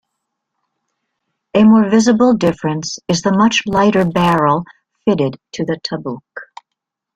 A more visible difference is the much lighter barrel fitted to the Tabuk.